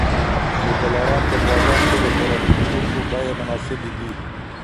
د دلارام په بازار کي د خوراکي توکو بیې مناسبې دي